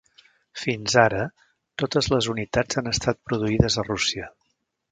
Fins ara, totes les unitats han estat produïdes a Rússia.